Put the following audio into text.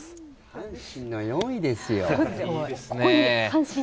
阪神の４位ですよ。